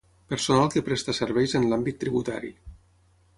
Personal que presta serveis en l'àmbit tributari.